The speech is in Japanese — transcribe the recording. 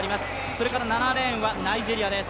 それから７レーンはナイジェリアです。